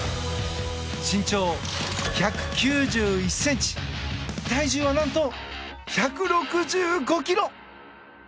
身長１９１ｃｍ体重は何と１６５ｋｇ！